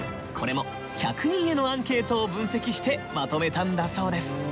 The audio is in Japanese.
これも１００人へのアンケートを分析してまとめたんだそうです。